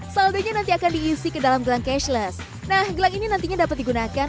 saldonya nanti akan diisi ke dalam gelang cashless nah gelang ini nantinya dapat digunakan